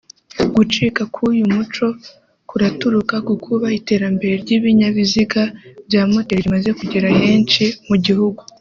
Gucika k’ uyu muco kuraturuka kukuba iterambere ry’ ibinyabiziga bya moteli rimaze kugera henshi mu gihugu